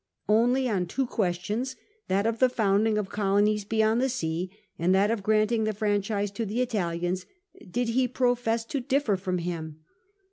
Only on two questions — ^that of the founding of colonies beyond the sea, and that of grant ing the franchise to the Italians — did he profess to differ from him.